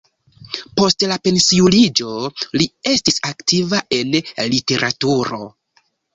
Post la pensiuliĝo li estis aktiva en la literaturo.